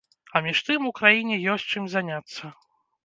А між тым, у краіне ёсць чым заняцца.